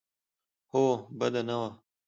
هوا بده نه وه.